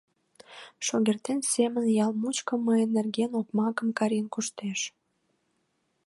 Шогертен семын ял мучко мыйын нерген окмакым карен коштеш.